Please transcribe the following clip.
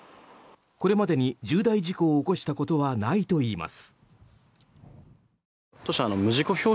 これまでに重大事故を起こしたことはないといいます。